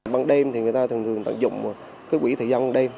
bằng đêm thì người ta thường thường tận dụng cái quỹ thời gian đêm